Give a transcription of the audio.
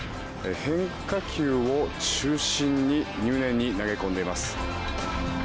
変化球を中心に入念に投げ込んでいます。